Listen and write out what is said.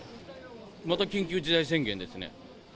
また緊急事態宣言ですね。